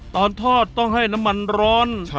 ตอนทอดต้องให้น้ำมันร้อน